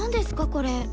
これ。